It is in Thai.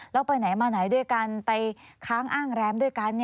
แล้วไปไหนมาไหนด้วยกันไปค้างอ้างแรมด้วยกัน